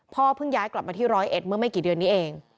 เพิ่งย้ายกลับมาที่ร้อยเอ็ดเมื่อไม่กี่เดือนนี้เอง